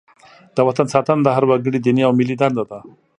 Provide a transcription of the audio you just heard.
د وطن ساتنه د هر وګړي دیني او ملي دنده ده.